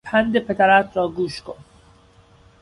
پند پدرت را گوش کن!